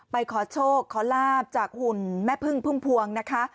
ขอโชคขอลาบจากหุ่นแม่พึ่งพุ่มพวงนะคะ